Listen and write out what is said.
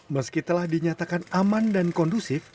meski telah dinyatakan aman dan kondusif